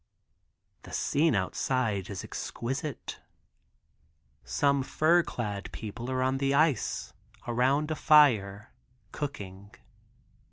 The scene outside is exquisite. Some fur clad people are on the ice around a fire cooking.